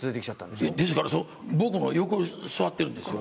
ですから、僕の横に座ってるんですよ。